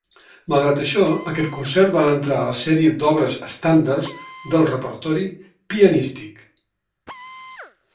Malgrat això, aquest concert va entrar a la sèrie d'obres estàndards del repertori pianístic.